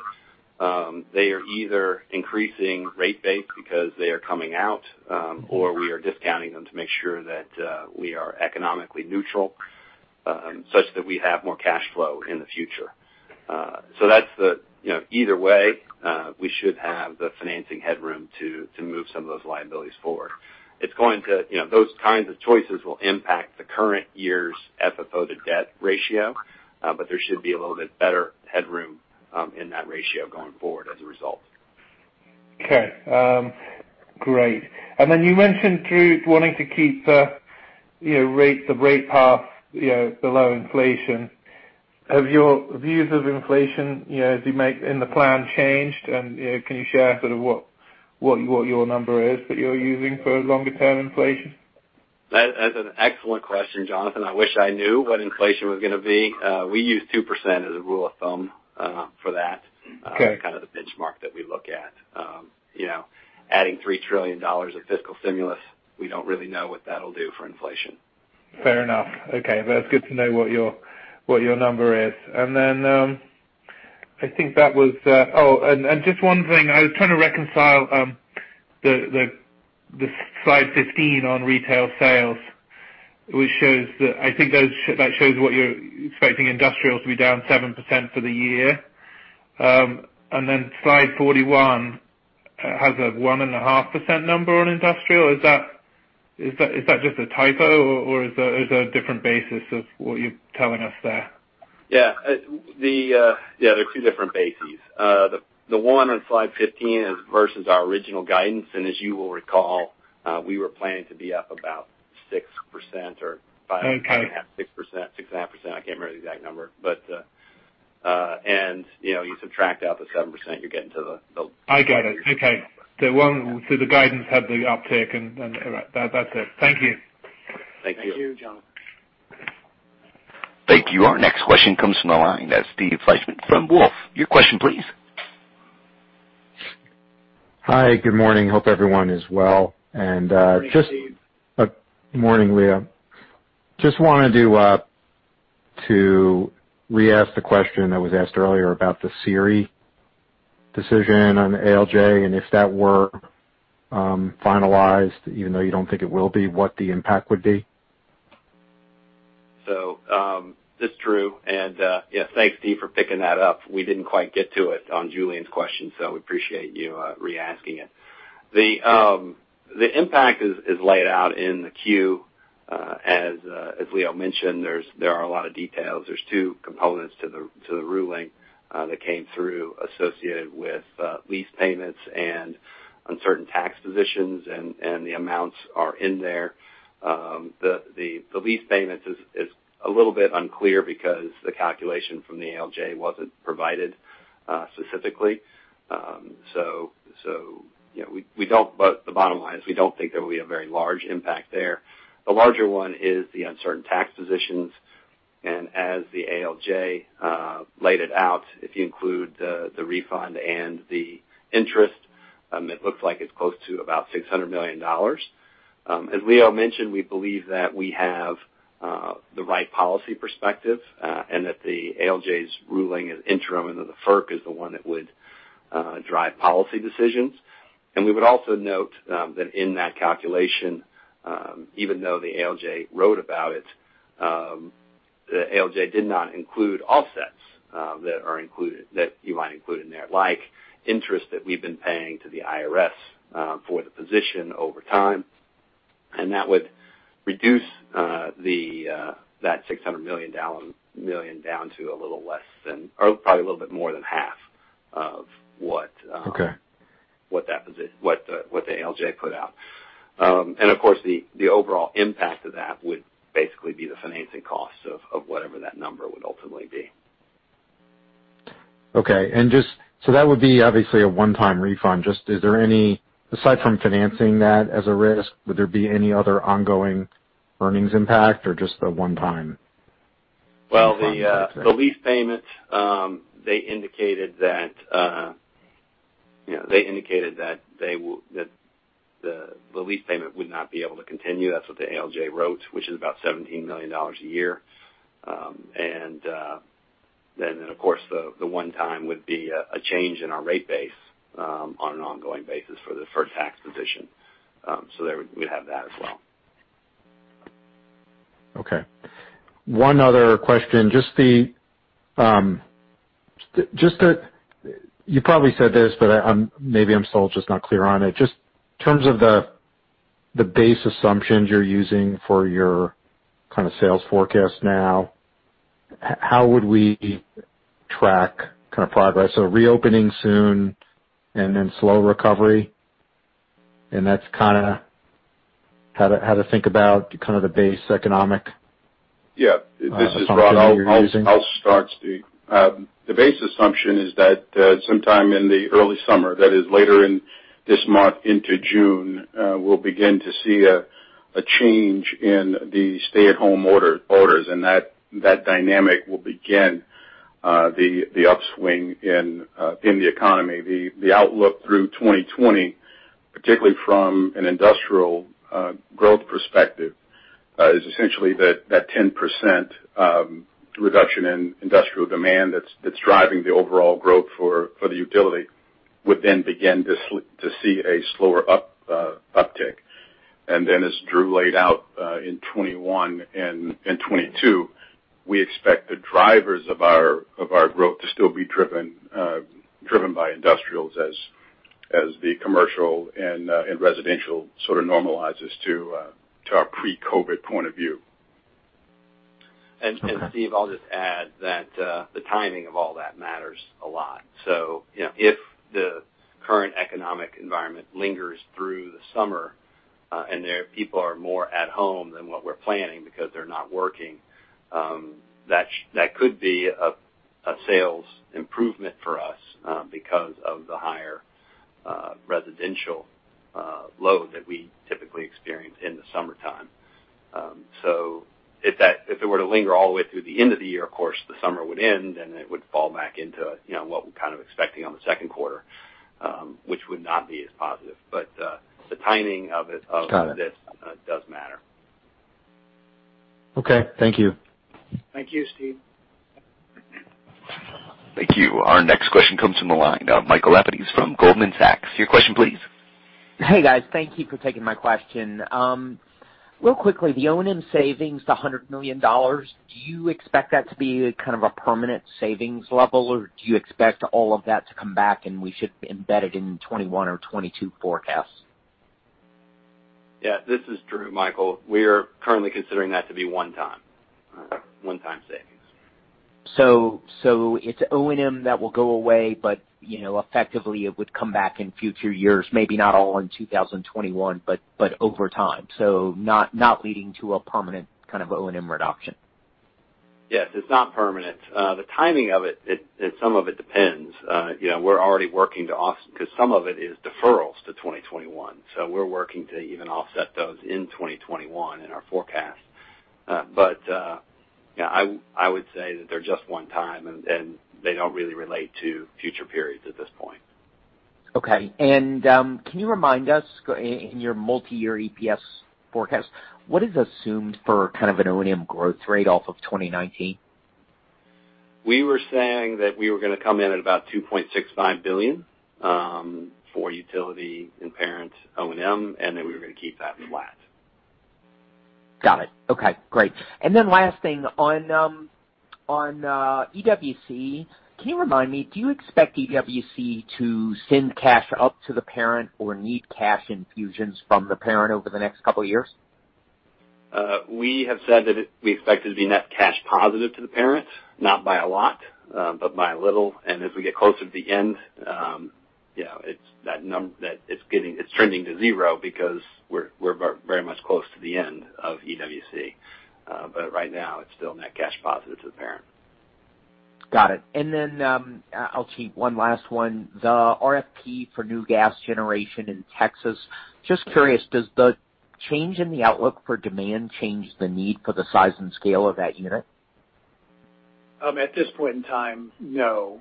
They are either increasing rate base because they are coming out, or we are discounting them to make sure that we are economically neutral such that we have more cash flow in the future. Either way, we should have the financing headroom to move some of those liabilities forward. Those kinds of choices will impact the current year's FFO to debt ratio. There should be a little bit better headroom in that ratio going forward as a result. Okay. Great. Then you mentioned, Drew, wanting to keep the rate path below inflation. Have your views of inflation as you make in the plan changed, and can you share sort of what your number is that you're using for longer-term inflation? That's an excellent question, Jonathan. I wish I knew what inflation was going to be. We use 2% as a rule of thumb for that. Okay. Kind of the benchmark that we look at. Adding $3 trillion of fiscal stimulus, we don't really know what that'll do for inflation. Fair enough. Okay. That's good to know what your number is. Just one thing. I was trying to reconcile the Slide 15 on retail sales, I think that shows what you're expecting industrial to be down 7% for the year. Slide 41 has a 1.5% number on industrial. Is that just a typo, or is a different basis of what you're telling us there? Yeah. They're two different bases. The one on Slide 15 is versus our original guidance. As you will recall, we were planning to be up about 6%. Okay 6.5%. I can't remember the exact number. You subtract out the 7%. I get it. Okay. The guidance had the uptick. Correct. That's it. Thank you. Thank you. Thank you, Jonathan. Thank you. Our next question comes from the line. That's Steve Fleishman from Wolfe Research. Your question please. Hi, good morning. Hope everyone is well. Good morning, Steve. Morning, Leo. Just wanted to re-ask the question that was asked earlier about the SERI decision on ALJ, and if that were finalized, even though you don't think it will be, what the impact would be. This is Drew, and thanks, Steve, for picking that up. We didn't quite get to it on Julien's question, so we appreciate you re-asking it. The impact is laid out in the 10-Q. As Leo mentioned, there are a lot of details. There's two components to the ruling that came through associated with lease payments and uncertain tax positions, and the amounts are in there. The lease payment is a little bit unclear because the calculation from the ALJ wasn't provided specifically. The bottom line is we don't think there will be a very large impact there. The larger one is the uncertain tax positions, and as the ALJ laid it out, if you include the refund and the interest, it looks like it's close to about $600 million. As Leo mentioned, we believe that we have the right policy perspective, and that the ALJ's ruling is interim and that the FERC is the one that would drive policy decisions. We would also note that in that calculation, even though the ALJ wrote about it, the ALJ did not include offsets that you might include in there, like interest that we've been paying to the IRS for the position over time. That would reduce that $600 million down to a little less than, or probably a little bit more than half. Okay what the ALJ put out. Of course, the overall impact of that would basically be the financing cost of whatever that number would ultimately be. That would be obviously a one-time refund. Aside from financing that as a risk, would there be any other ongoing earnings impact, or just a one-time refund? Well, the lease payment, they indicated that the lease payment would not be able to continue. That's what the ALJ wrote, which is about $17 million a year. Of course, the one time would be a change in our rate base on an ongoing basis for the FERC tax position. There, we'd have that as well. Okay. One other question. You probably said this, but maybe I'm still just not clear on it. Just in terms of the base assumptions you're using for your kind of sales forecast now, how would we track kind of progress? Reopening soon, and then slow recovery? That's kind of how to think about kind of the base economic- Yeah. This is Rod. assumption that you're using? I'll start, Steve. The base assumption is that sometime in the early summer, that is later in this month into June, we'll begin to see a change in the stay-at-home orders, and that dynamic will begin the upswing in the economy. The outlook through 2020, particularly from an industrial growth perspective, is essentially that 10% reduction in industrial demand that's driving the overall growth for the utility would then begin to see a slower uptick. As Drew laid out, in 2021 and 2022, we expect the drivers of our growth to still be driven by industrials as the commercial and residential sort of normalizes to our pre-COVID point of view. Steve, I'll just add that the timing of all that matters a lot. If the current economic environment lingers through the summer, and people are more at home than what we're planning because they're not working, that could be a sales improvement for us because of the higher residential load that we typically experience in the summertime. If it were to linger all the way through the end of the year, of course, the summer would end, and it would fall back into what we're kind of expecting on the second quarter, which would not be as positive. Got it. does matter. Okay. Thank you. Thank you, Steve. Thank you. Our next question comes from the line of Michael Lapides from Goldman Sachs. Your question, please. Hey, guys. Thank you for taking my question. Real quickly, the O&M savings, the $100 million, do you expect that to be kind of a permanent savings level, or do you expect all of that to come back, and we should embed it in 2021 or 2022 forecasts? Yeah. This is Drew, Michael. We are currently considering that to be one time. One time savings. It's O&M that will go away, but effectively, it would come back in future years, maybe not all in 2021, but over time. Not leading to a permanent kind of O&M reduction. Yes. It's not permanent. The timing of it, some of it depends. We're already working because some of it is deferrals to 2021. We're working to even offset those in 2021 in our forecast. I would say that they're just one time, and they don't really relate to future periods at this point. Okay. Can you remind us in your multi-year EPS forecast, what is assumed for kind of an O&M growth rate off of 2019? We were saying that we were going to come in at about $2.65 billion for utility and parent O&M, and then we were going to keep that flat. Got it. Okay, great. Last thing. On EWC, can you remind me, do you expect EWC to send cash up to the parent or need cash infusions from the parent over the next couple of years? We have said that we expect it to be net cash positive to the parent, not by a lot, but by little. As we get closer to the end, it's trending to zero because we're very much close to the end of EWC. Right now, it's still net cash positive to the parent. Got it. I'll keep one last one. The RFP for new gas generation in Texas, just curious, does the change in the outlook for demand change the need for the size and scale of that unit? At this point in time, no.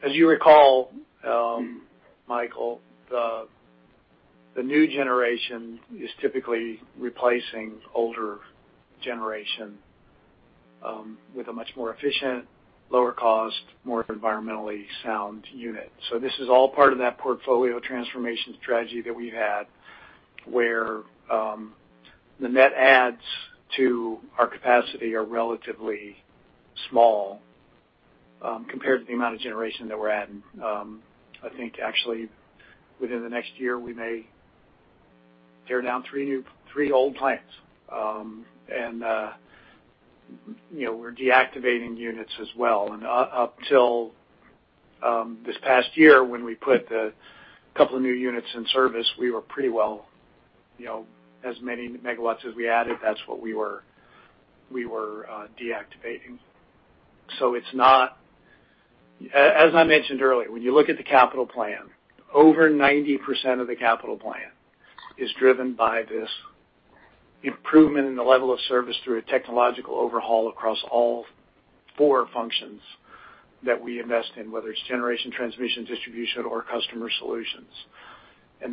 As you recall, Michael, the new generation is typically replacing older generation with a much more efficient, lower cost, more environmentally sound unit. This is all part of that portfolio transformation strategy that we've had, where the net adds to our capacity are relatively small compared to the amount of generation that we're adding. I think actually within the next year, we may tear down three old plants. We're deactivating units as well. Up till this past year, when we put a couple of new units in service, we were pretty well as many megawatts as we added, that's what we were deactivating. As I mentioned earlier, when you look at the capital plan, over 90% of the capital plan is driven by this improvement in the level of service through a technological overhaul across all four functions that we invest in, whether it's generation, transmission, distribution, or customer solutions.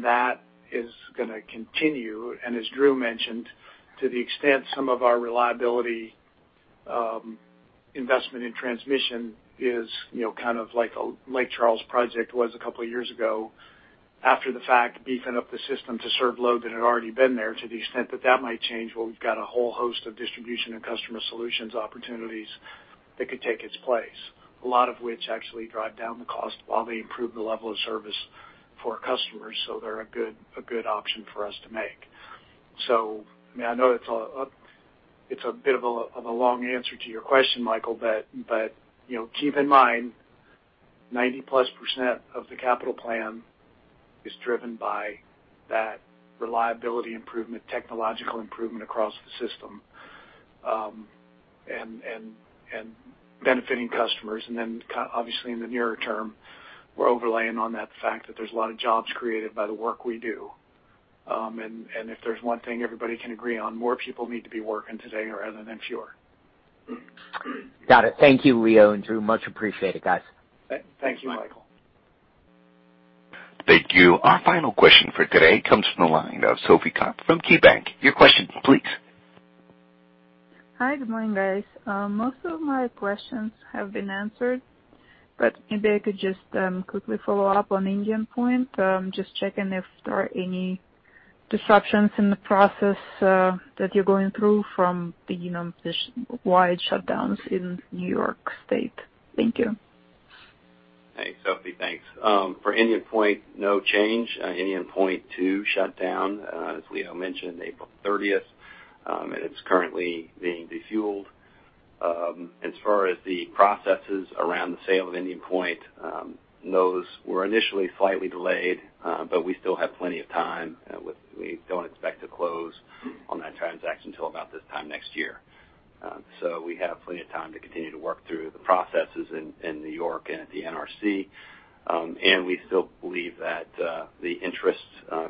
That is going to continue. As Drew mentioned, to the extent some of our reliability investment in transmission is kind of like Lake Charles project was a couple of years ago, after the fact, beefing up the system to serve load that had already been there to the extent that that might change. Well, we've got a whole host of distribution and customer solutions opportunities that could take its place, a lot of which actually drive down the cost while they improve the level of service for our customers. They're a good option for us to make. I know it's a bit of a long answer to your question, Michael, but keep in mind, 90%+ of the capital plan is driven by that reliability improvement, technological improvement across the system, and benefiting customers. Then obviously in the nearer term, we're overlaying on that fact that there's a lot of jobs created by the work we do. If there's one thing everybody can agree on, more people need to be working today rather than fewer. Got it. Thank you, Leo and Drew. Much appreciated, guys. Thank you, Michael. Thank you. Our final question for today comes from the line of Sophie Karp from KeyBanc. Your question, please. Hi. Good morning, guys. Most of my questions have been answered, but maybe I could just quickly follow up on Indian Point. Just checking if there are any disruptions in the process that you're going through from the wide shutdowns in New York State. Thank you. Hey, Sophie. Thanks. For Indian Point, no change. Indian Point 2 shut down, as Leo mentioned, April 30th. It's currently being defueled. As far as the processes around the sale of Indian Point, those were initially slightly delayed, but we still have plenty of time. We don't expect to close on that transaction until about this time next year. We have plenty of time to continue to work through the processes in New York and at the NRC. We still believe that the interests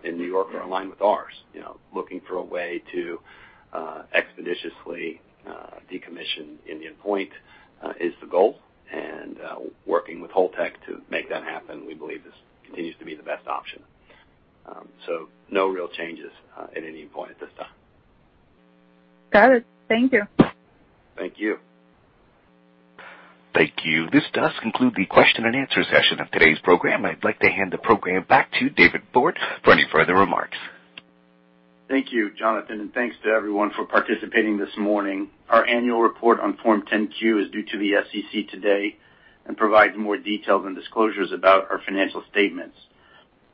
in New York are aligned with ours. Looking for a way to expeditiously decommission Indian Point is the goal. Working with Holtec to make that happen, we believe this continues to be the best option. No real changes at Indian Point at this time. Got it. Thank you. Thank you. Thank you. This does conclude the question-and-answer session of today's program. I'd like to hand the program back to David Borde for any further remarks. Thank you, Jonathan, and thanks to everyone for participating this morning. Our annual report on Form 10-Q is due to the SEC today and provides more details and disclosures about our financial statements.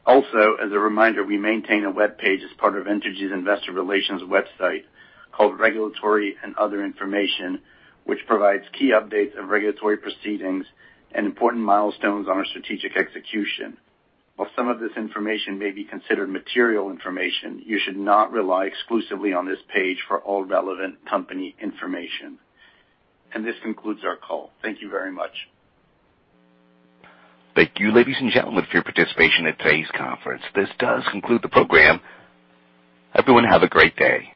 As a reminder, we maintain a webpage as part of Entergy's investor relations website called Regulatory and Other Information, which provides key updates of regulatory proceedings and important milestones on our strategic execution. While some of this information may be considered material information, you should not rely exclusively on this page for all relevant company information. This concludes our call. Thank you very much. Thank you, ladies and gentlemen, for your participation in today's conference. This does conclude the program. Everyone have a great day.